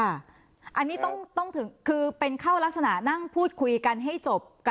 อันนี้ต้องถึงคือเป็นเข้ารักษณะนั่งพูดคุยกันให้จบ